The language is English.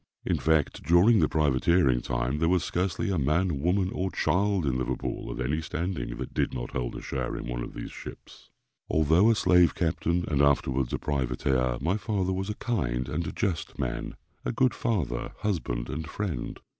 In fact, during the privateering time, there was scarcely a man, woman, or child in Liverpool, of any standing, that did not hold a share in one of these ships. Although a slave captain, and afterwards a privateer, my father was a kind and just man a good father, husband, and friend.